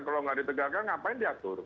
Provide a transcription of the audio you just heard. kalau nggak ditegakkan ngapain diatur